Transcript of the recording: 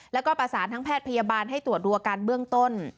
แล้วก็ประสานทั้งแพทย์พยาบาลให้ตรวจดูอาการเบื้องต้น